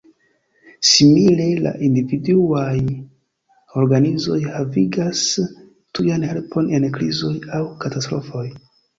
Simile, la individuaj organizoj havigas tujan helpon en krizoj aŭ katastrofoj.